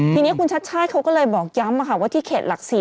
ทีนี้คุณชัดชาติเขาก็เลยบอกย้ำว่าที่เขตหลัก๔